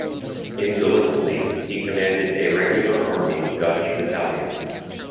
In Gallipoli, he commanded a regular army Scottish battalion.